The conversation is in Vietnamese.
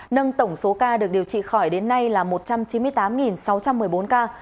nâng tổng số ca được điều trị khỏi đến nay là một trăm chín mươi tám sáu trăm một mươi bốn ca